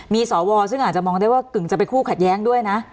มีสวซึ่งอาจจะมองได้ว่ากึ่งจะเป็นคู่ขัดแย้งด้วยนะ